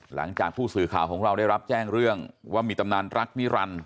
หลังจากผู้สื่อข่าวของเราได้รับแจ้งเรื่องว่ามีตำนานรักนิรันดิ